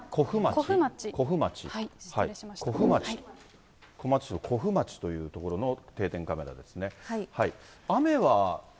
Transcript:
古府町、小松市の古府町という所の定点カメラですね。